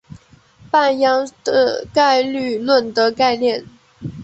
半鞅是概率论的概念。